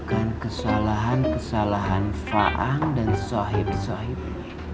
bukan kesalahan kesalahan faang dan sohib syahid